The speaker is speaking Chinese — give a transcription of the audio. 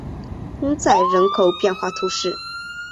翁赞人口变化图示